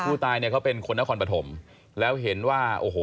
ผู้ตายเนี่ยเขาเป็นคนนครปฐมแล้วเห็นว่าโอ้โห